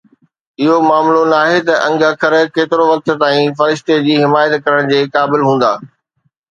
اهو معلوم ناهي ته انگ اکر ڪيترو وقت تائين فرشتي جي حمايت ڪرڻ جي قابل هوندا.